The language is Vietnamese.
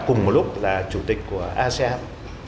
cùng một lúc là chủ tịch của asean